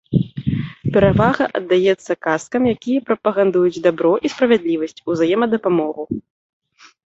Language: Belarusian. Перавага аддаецца казкам, якія прапагандуюць дабро і справядлівасць, узаемадапамогу.